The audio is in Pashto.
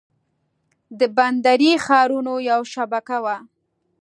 د بندري ښارونو یوه شبکه وه